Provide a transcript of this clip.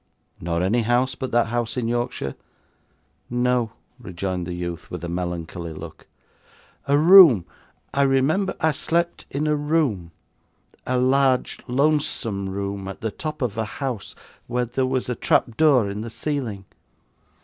'Nor any house but that house in Yorkshire?' 'No,' rejoined the youth, with a melancholy look; 'a room I remember I slept in a room, a large lonesome room at the top of a house, where there was a trap door in the ceiling.